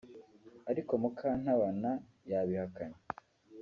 ariko Mukantabana yabihakanye